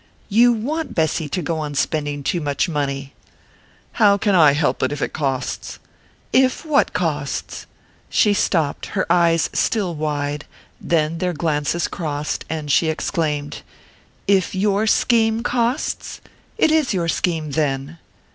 "You want Bessy to go on spending too much money?" "How can I help it if it costs?" "If what costs ?" She stopped, her eyes still wide; then their glances crossed, and she exclaimed: "If your scheme costs? It is your scheme, then?"